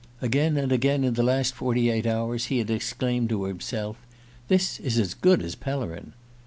Again and again in the last forty eight hours he had exclaimed to himself: "This is as good as Pellerin."